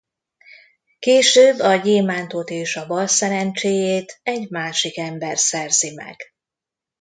Később a gyémántot és a balszerencséjét egy másik ember szerzi meg.